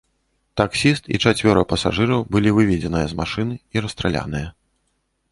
Таксіст і чацвёра пасажыраў былі выведзеныя з машыны і расстраляныя.